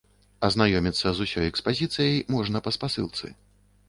Азнаёміцца з усёй экспазіцыяй можна па спасылцы.